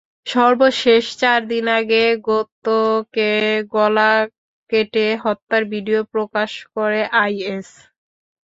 সর্বশেষ চার দিন আগে গোতোকে গলা কেটে হত্যার ভিডিও প্রকাশ করে আইএস।